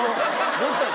どうしたの？